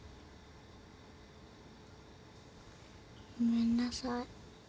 ごめんなさい。